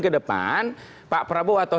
ke depan pak prabowo atau